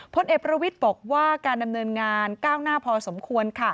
พลเอกประวิทย์บอกว่าการดำเนินงานก้าวหน้าพอสมควร